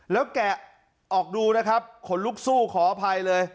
แล้วแกะออกดูนะครับขนลุกสู้ขออภัยเลย